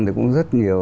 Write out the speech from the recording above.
thì cũng rất nhiều